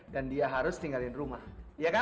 dan dia harus tinggalin rumah iya kan